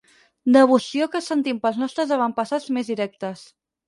Devoció que sentim pels nostres avantpassats més directes.